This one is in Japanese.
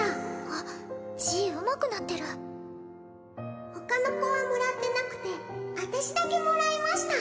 あ字うまくなってる「ほかのこはもらってなくてあたしだけもらいました」